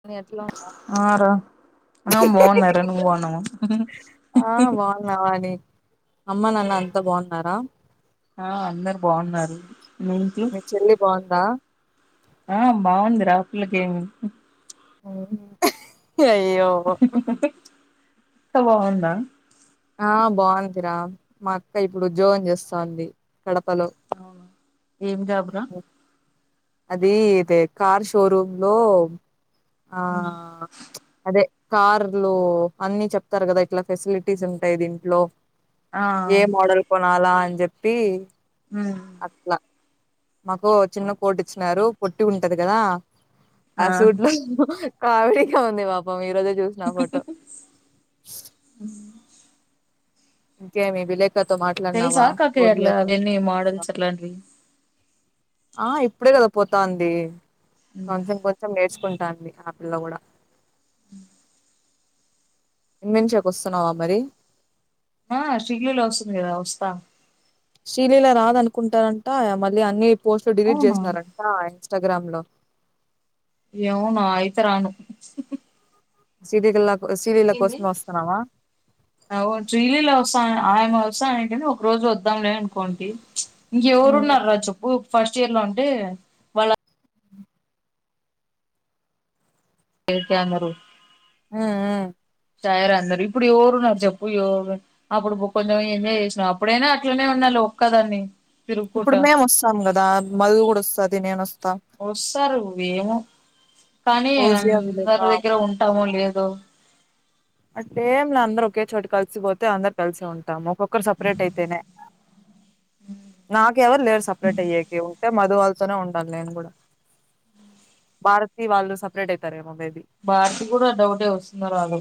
కానీ అట్లే ఉందా ఆ రా ఆ బాగున్నారు నువ్వు బాగున్నావా ఆ బాగున్నావాని అమ్మ నాన్న అంతా బాగున్నారా ఆ అందరు బాగున్నారు మీ చెల్లి బాగుందా ఆ బాగుందిరా పిల్లకేమి అయ్యో అత్త బాగుందా ఆ బాగుందిరా మా అక్క ఇప్పుడు ఉద్యోగం చేస్తాంది కడపలో ఏం జాబురా అది ఇదే కార్ షోరూమ్ లో ఆ ఇచ్ అదే కార్లు అన్ని చెప్తారు కదా ఇట్లా ఫెసిలిటీస్ ఉంటాయి దీంట్లో ఆ ఏ మోడల్ కొనాలా అని చెప్పి ఉమ్ అట్లా మాకు చిన్న కోటు ఇచ్చినారు పొట్టి ఉంటది కదా ఆ సూట్ లో కావిడిగా ఉంది పాపం మీరోజు చూసిన ఫోటో ఇంకేమి విలేకతో మాట్లాడినావా తెలుసా కాకయ్య అట్లా పోలియాతోట్ అవన్నీ మోడల్స్ అట్లాంటివి ఆ ఇప్పుడే కదా పోతాంది కొంచెం కొంచెం నేర్చుకుంట ఆ పిల్ల కూడా హ్మ్ ఇమెంచక వస్తున్నావా మరి ఆ శగలేలో వసంది కథ వస్థ షీలీల రాద అనుకుంటారంట మళ్ళీ అన్ని పోస్ట్లు డిలీట్ అవునా చేసినారంట ఇన్స్టాగ్రామ్ లో ఏమో నా అయితే రాను సీధే కలాక శ్రీలీల వాస్త ఆయమ వసా ఏంటనే ఒక రోజు వద్దాంలే అనుకోండి ఇంకెవరు ఉమ్, ఉన్నార రా చెప్పు ఫస్ట్ ఇయర్ లో అంటే వాళ్ళ కమెరుూ మ్మ్ టయర్ అందరు ఇప్పుడు ఎవరు ఉన్నారు చెప్పు ఎవరు అప్పుడు కొంచెం ఎంజాయ్ చేసినావు అప్పుడైనా అట్లనే ఉన్నారు నే ఒక్కదాని ఇప్పుడు మేము వస్తాం కదా మధు కూడా వస్తది నేన వస్తా వస్తారువేమో కానీ ఫౌజియా అందరి విలేక దగ్గర ఉంటాము లేదో అట్ట ఏం లా అందరూ ఒకే చోటి కలిసిపోతే అందరు కలిసి ఉంటా ఒక్కొక్కరు సపరేట్ అయితేనే నాక ఎవరు లేరు సపరేట్ అయ్యక మధు వాళ్ళతోనే ఉండాలి నేను కూడా భారతీ వాళ్ళు సపరేట్ అవుతారేమో భారతి కూడా డౌట్ ఏ వస్తుందో రాదో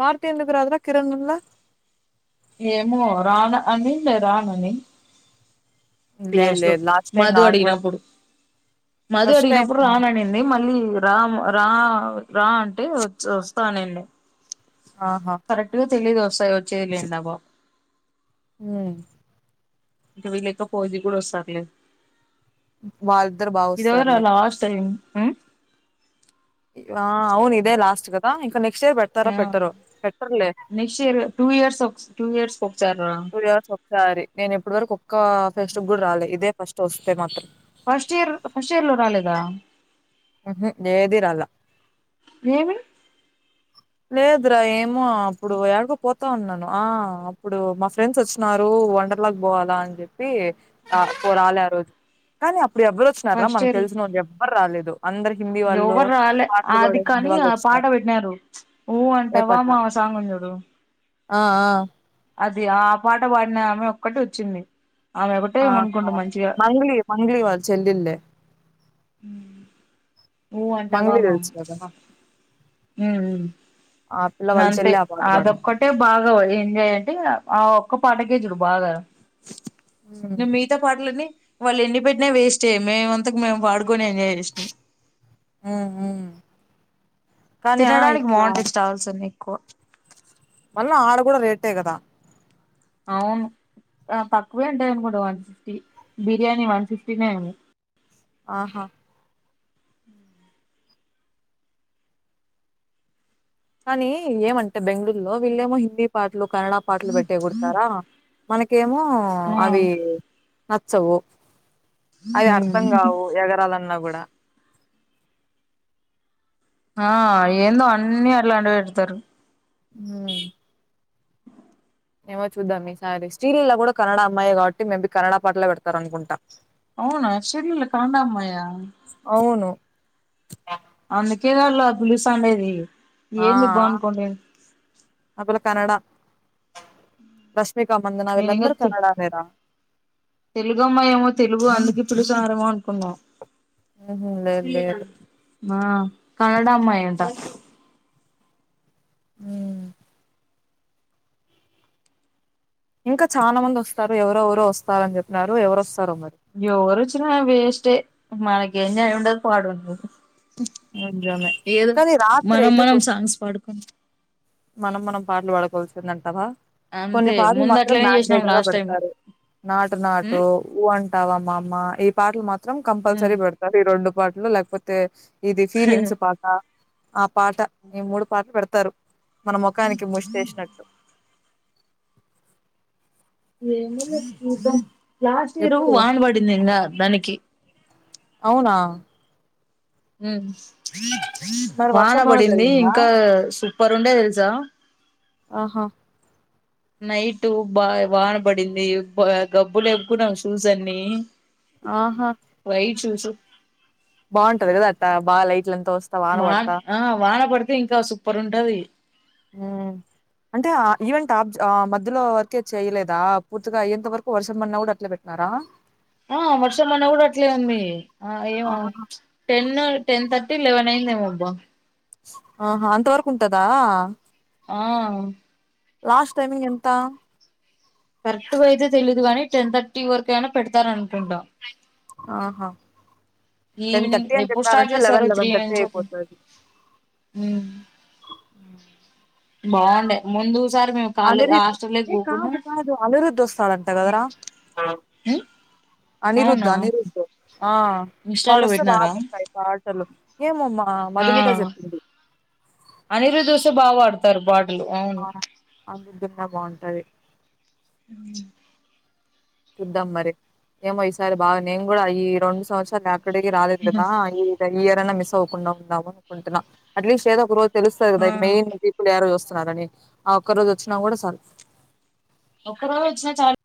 భారతి ఎందుకు రాదు రా కిరణ్ ఉండాల ఏమో రాన అనిందా రానని లేదు క్లాస్ లో లేదు లాస్ట్ టైం మధు నాకు కూడా అడిగినప్పుడు మధు ఫస్ట్ టైం అడిగినప్పుడు రాననింది మళ్ళీ రామ్ రా రా అంటే వ వస్తానండి ఆహా తెలి దోసయి వచ్చేదిలిన్నప్ప మ్మ్ ఇకా వీళక పోది కూడా వస్తదిలే వాళ్ళిద్దరు ఇదర బాగొస్తారులే లాస్ట్ టైం ఆ అవును ఇదే లాస్ట్ గదా ఇంకా నె స్ట్ పెడతారో పెట్టరో పెట్టర్లే నెక్స్ట్ ఇయర్ టూ ఇయర్స్ ఒక టూ ఇయర్స్ ఒకసారి రా టూ ఇయర్స్ ఒకసారి నేను ఇప్పటి వరకు ఒక్క ఫెస్టి కూడా రాలే ఇదే ఫస్ట్ ఒస్తే మాత్రం ఫస్ట్ ఇయర్ ఫస్ట్ ఇయర్ లో రాలేదా మ్మ్ హ్మ్ ఏది రాలా ఏమి లేదురా ఏమో అప్పుడు ఎడకో పోతా ఉన్నాను ఆ అప్పుడు మా ఫ్రెండ్స్ ఒచ్చినారు నువ్ వండర్లాకు బొవాలా అని జెప్పి అ రాలే ఆ రోజు కానీ అప్ ఇప్పుడు ఎవ్వరు ఒచ్చినారా ఫస్ట్ మనకు ఇయర్ తెలిసిన ఒళ్ళు ఎవ్వరు రాలేదు అందరు హిందీ వాళ్ళు ఎవరు రాలే పాటలు అది బాడే హిందీ కానీ వాళ్ళ ఆ ఒచ్చిన పాట పెట్టినారు ప్చ్ ఊ అంటావ మామ సాంగ్ వుంది చూడు ఆ ఆ అది ఆ పాట బాడిన ఆమె ఒక్కటి ఒచ్చింది ఆహా మంగ్లీ మంగ్లీ వాళ్ళ చెల్లెలే మ్మ్ ఊ అంటవా మా తెలుసు కదా అ మ్మ్ మ్మ్ ఆ పిల్ల వాళ్ళ అంతే చెల్లె ఆ పాట పాడింది అదొక్కటే బాగా ఎంజయంటే ఇగ ఆ ఒక్క పాటకే జూడు బాగా హ్మ్ ఇగా మిగతా పాటలన్ని వాళ్ళు ఎన్ని పెట్నా వేస్టే మేమంతకు మేము పాడుకొని ఎంజాయ్ జేసినం ఉ ఉం తినడానికి బాగుంటయి స్టాల్స్ అన్ని ఎక్కువ మళ్ళ ఆడ గూడ రేటే కదా అవును ఆ తక్కువే ఉంటయ్ అనుకుంట వన్ ఫిఫ్టీ బిర్యానీ వన్ ఫిఫ్టీనే ఉంది ఆహా కానీ ఏమంటే బెంగళూరులో వీళ్ళేమో హిందీ పాటలు కన్నడ పాటలు పెట్టీ ఎగురుతారా మనకేమో అవి నచ్చవు అది అర్థం కావు ఎగరాలన్నా గుడా ఆ ఏందో అన్ని అట్లాంటివి పెడతరు ఊమ్ ఏమో చూద్దాం ఈసారి శ్రీ లీల గూడా కన్నడ అమ్మాయి కావట్టి మేబీ కన్నడ పాటలే పెడతారు అనుకుంట అవునా శ్రీ లీల కన్నడ అమ్మాయా అవును. అందుకే గద పిలుస్తా ఉండేది ఆ ఆ పిల్ల కన్నడా రష్మికమందన వీళ్లందరు కన్నడానే రా తెలుగమ్మయేమో తెలుగు అందుకి పృచారం అనుకున్నాం ఉహు లేద్ లేేదు ఆ కన్నడ అమ్మాయంట ఊమ్ ఇంకా చానా మంది ఒస్తారు ఎవరెవరు ఒస్తారని చెప్పినారు ఎవరు ఓస్ ఎవరొచ్చిన వేస్ట్ ఏ మనకు ఎంజాయ్ ఉండదు పాడు ఉండదు నిజమే. ఏదో కానీ మనం రాత్రయితే మనం కొంచెం సాంగ్స్ పాడుకుని మనం మనం పాటలు పాడుకోవాల్సిందంటావా కొన్ని అంతే పాటలు ముందు మాత్రం అట్లనే చేసినాం మ్యాండేటర్గా లాస్ట్ టైము పెడతారు నాటు నాటు ఉమ్ ఊ అంట్ అంటావా మమా ఈ పాటలు మాత్రం ఉమ్ కంపల్సరీ పెడతారు ఈ రొండు పాటలు లేకపోతే ఇది ఫీలింగ్స్ పాట ఆ పాట ఈ మూడు పాటలు పెడతారు మన ముఖానికి ముష్టెషినట్టు చూద్దాం లాస్ట్ ఇయర్ ఎప్పుడు? వాన పడింది ఇంగా దానికి అవునా ఉమ్ మరి వాన వర్షంలోనే బడింది జరిగిందా? ఇంకా సు సూపర్ ఉండే తెలుసా ఆహా నైట్ బా వాన పడింది గబ్బు లేప్పుకున్నాం షూస్ అన్ని ఆహా! వైట్ షూస్ బావుంటది గదా! అట్టా బాగా లైట్లంతా వస్తా వాన పడతా. ఆ వాన పడితే ఇంకా సు పర్ ఉంటాది ఉ అంటే ఆ ఈవెంట్బ్ ఆ మధ్యలో వరకే చేయలేదా పూర్తిగా అయ్యేంత వరకు వర్షం పడిన కూడా అట్లే పెట్టిన రా ఆ వర్షం అన్నా కూడా అట్లే ఉంది ఆ ఏమ ఆహా! టెన్ టెన్ థర్టీ ట్టి లీవెన్ అయిందేమో అబ్బా ఆహా అంత వరకు ఉంటదా ఆ లాస్ట్ టైమింగ్ ఎంత కరెక్ట్గా అయితే తెలీదు గానీ టెన్ థర్టీ వరకు అయినా పెడతారూ అంటుంటా ఆహా టెన్ ఈవినింగ్ థర్టీ అని ఎప్పుడు స్టార్ట్ చెప్పారంటే చేశారు లెవెన్ త్రీ లెవెన్ థర్టీ నుంచి అట్లా అయిపోతది బాగుండే ముందు సారి మేము కాలే అనిరిద్ హాస్టల్లోకి ఏ పోకుండా కాదు కాదు అనిరుద్ వస్తాడంట గదరా ఉమ్ అనిరుద్ అవునా అనిరుద్ ఆ ఇన్స్టాలో వాడొస్తే బా పెట్టినారా బతాయి పాటలు ఏమమ్మా ఆ అనిరుదొస్తే బా బాడుతారు బాడ్ ఆ అందిద్దున్నా బాగుంటాయి ఊ తిందాం మరి ఏమో ఈసారి బాగ నేను గుడా ఈ రొండు సంవత్సరాలు లేక ఇక్కడికి రాలేదు గదా ఇక ఇయర్ అన్నా మిస్ అవకుండా ఉందాము అనుకుంటున్నా అట్లీస్ట్ ఏదో ఒక రోజు తెలుస్తాది ఆ కదా మెయిన్ పీపుల్ ఎరోజు వస్తున్నారని ఆ ఒక్క రోజు వచ్చినా కూడా సల్ ఒక్క రోజొచ్చినా చాలు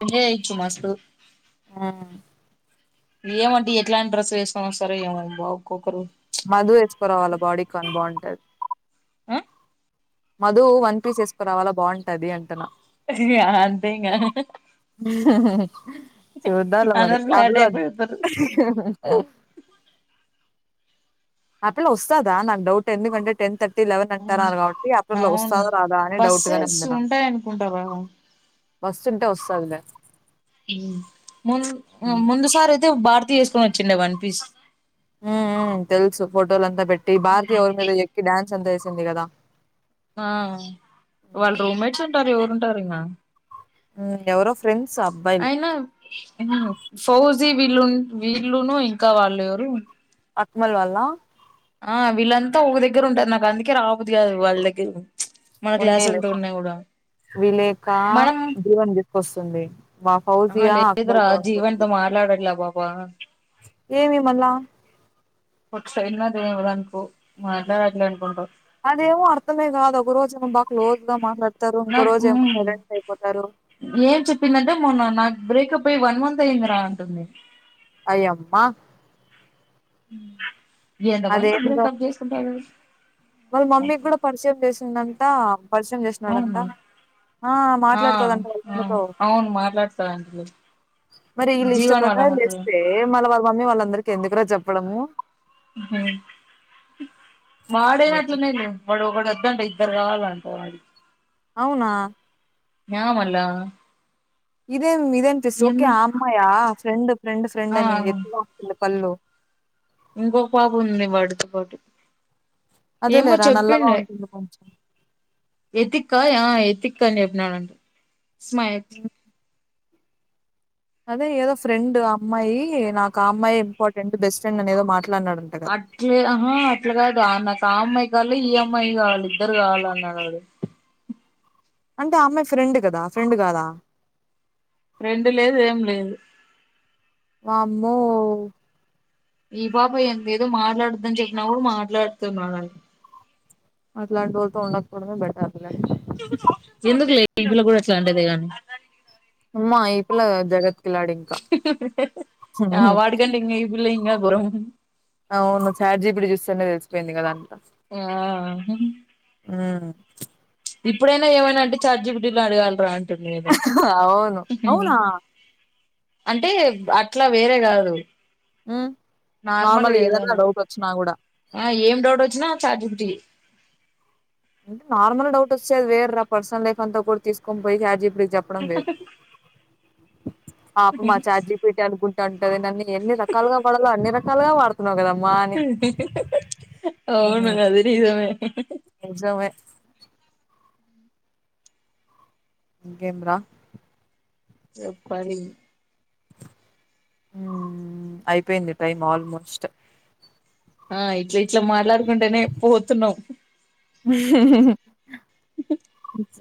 ఆ ఏమంటే ఎట్లాంటి డ్రెస్సులు వేసుకోని వస్తారో ఏమ బా ఒక్కొక్కరు మధు ఎచ్కోరావాల బాడీ కాన్ బాగుంట మధు వన్ పీస్ వేసుకోరావాలా బాగుంటది అంటున్నా అంతే ఇంగా చూద్దాంలే మరి అందరు ఫ్లాట్ అయిపోతారు [unintelligible] ఆపిల్ల వస్తాదా నాక్ డౌట్ ఎందుగంటే టెన్ థట్ లెవెన్ అంటాన్నారు కాబట్టి ఆప్పిల అవును వస్తదా రాదా అని డౌట్ గానే బస్సెస్ ఉంది నాకు ఉంటాయి అనుకుంటా కదా వస్తుంటే వస్తాదిలే మున్ ముందు సారి అయితే భారతీ వేసుకొని వొచ్చుండే వన్ పీస్ ఉం ఉమ్ తెలుసు ఫోటోలంతా పెట్టి భారతి ఎవరి మీదో ఎక్కి డాన్స్ అంతా ఏసింది గదా ఆ వాళ్ళు రూమ్మేట్స్ ఉంటారు ఎవరు ఉంటారు ఇంగ ఎవరో ఫ్రెండ్స్ అబ్బాయిలు అయినా ఫౌజ్ వీళ్ళున్ వీళ్ళును ఇంకా వాళ్ళు ఎవరు అక్మల్ వాల్ల ఆ వీళ్ళంతా ఒక దగ్గర ఉంటారు నాకందుకే రాబుద్ది గాదు వాళ్ళ్ దగ్గి మా క్లాసోల్తో ఉన్నా గుడా విలేక ధ్రువన్ తీసుకొస్తుంది మా ఫౌజియా అక్మల్తో వస్తుంది లాడల్ల బాబా ఏమి మళ్ళా కొట్సైన్నదేవర అంకు మాట్లాడట్లే అనుకుంటవ్ అదేమో అర్థమే గాదు ఒక రోజేమో బా క్లోజ్ గా మాట్లాడ్ నాకుం ఏం చెప్పిందంటే మొన్న నాకు బ్రేకప్ అయి వన్ మంత్ అయిందిరా అంటుంది అయ్యమ్మా ఎంతమందితో అదేందో బ్రేకప్ చేసుకుంటాదే ఉన్నంత పరిచయం చేసినాడంట ఆ ఆ మాట్లాడుతాదంట ఆ వాళ్ళన్నతో అవును మాట్లాడతాంటిలే మరి వీళ్ళు ఇష్ట జీవన్ వాళ్ళ ప్రకారం అమ్మతో చేస్తే మళ్ళ వాళ్ళ మమ్మీ వాళ్ళందరికి ఎందుకురా చెప్పడము మాడే ఏమో అట్లున్నీలే వాడొకడు ఇద్దంట ఇద్దర గావాలంట వాది అవునా న్యామల్ల ఇదేం ఇదేన్ తీస్ ఓకే ఆ అమ్మాయ ఫ్రెండ్ ఫ్రెండ్ ఫ్రెండు ఆ అని [inaudible] పల్లో ఇంకొక పాప ఉంది వాడితో పాటు ఏమో అదేలేరా నల్లగా చెప్పిండే ఉంటుంది కొంచెం ఎతిక్ ఆ ఎతిక్ అని చెపినానంటు ఇస్మాయత్ అదే ఏదో ఫ్రెండ్ అమ్మాయి నాకు ఆ అమ్మాయే ఇంపార్టెంట్ బెస్ట్ ఫ్రెండ్ అని ఏదో మాట్లా అట్లే రమ్మను అట్ల కాదు ఆన ఆ అమ్మాయి కన్న ఈ అమ్మాయే బాగుంది ఇద్దరు కావాల అన్నారు అంటే అమ్మాయి ఫ్రెండ్ కదా ఫ్రెండ్ కాదా ఫ్రెండు లేదు ఏం లేదు వామ్మో ఈ పాప ఎంత ఏదో మాట్లాడద్దు అని చెప్పిన కూడా మాట్లాడుతున్నాడంట మాట్లాడకుండా [inaudible] పెట్టు ఆ పిల్లోనికి ఎందుకు లేదు [unintelligible] లో కూడా అట్లే అంటంది గా అమ్మా ఈ పిల్ల [unintelligible] హ్మ్. [unintelligible] నేర్పిల్ల ఇంక బాగుంటుంది అవును చాట్ జీ పీ టీ చూస్తేనే తెలిసిపోయింది కదా అంతా [unintelligible] మ్మ్ ఇప్పుడేనా ఏమైనా అంటే చాట్ జీపీటీలో అడగగలరా అవును అవునా అంటే అట్లా వేరే కాదు హ్మ్. నార్మల్ గా ఏదన్నా ఏదైనా డౌట్ వచ్చినా గూడా ఆ ఏం డౌట్ వచ్చినా చాట్ జీపీటీ నార్మల్ డౌట్ వచ్చేది వేరు పర్సనల్ లైఫ్ అంతా కూడా తీసుకొనిపోయి చాట్ జీపీ టీకి చెప్పడం వేరు పాపం ఆ చాట్ జీపీటీ అనుకుంటాంటది నన్ని ఎన్ని రకాలుగా పడలో అన్ని రకాలుగా వాడుతున్నావు కదా అవును ఉహు కదా అది నిజమే నిజమే ఇంకేం రా చెప్పాలి మ్మ్ అయిపోయింది టైం ఆల్మోస్ట్ ఆ ఇట్లా ఇట్లా మాట్లాడుకుంటేనే పోతున్నాం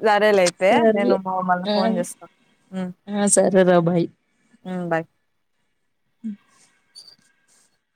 సరేలే అయితే నేను మళ్ళ ఫోన్ చేస్తాను మ్మ్ సరే రా బాయ్ మ్మ్ బాయ్ మ్మ్